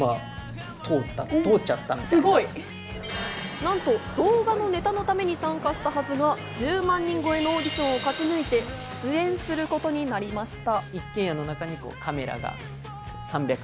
なんと動画のネタのために参加したはずが、１０万人越えのオーディションを勝ち抜いて出演することになりました。